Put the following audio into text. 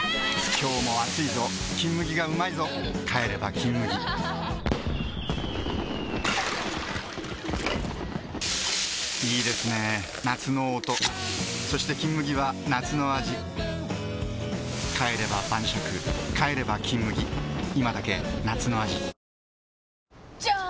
今日も暑いぞ「金麦」がうまいぞ帰れば「金麦」いいですね夏の音そして「金麦」は夏の味帰れば晩酌帰れば「金麦」いまだけ夏の味じゃーん！